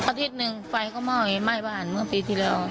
อาทิตย์หนึ่งไฟก็ไหม้ไหม้บ้านเมื่อปีที่แล้ว